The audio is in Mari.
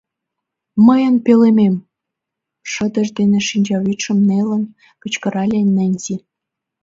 — Мыйын пӧлемем! — шыдыж дене шинчавӱдшым нелын, кычкырале Ненси.